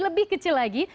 lebih kecil lagi